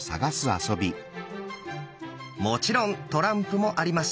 もちろんトランプもあります。